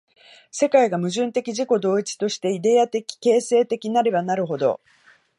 世界が矛盾的自己同一として、イデヤ的形成的なればなるほど、